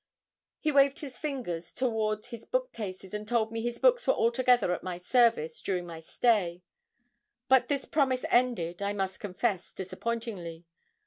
He waved his fingers toward his bookcases, and told me his books were altogether at my service during my stay; but this promise ended, I must confess, disappointingly.